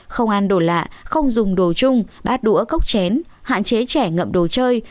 không ăn đồ lạ không dùng đồ chung bát đũa cốc chén hạn chế trẻ ngậm đồ chơi